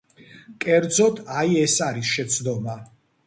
კერძოდ, აი, ეს არის შეცდომა.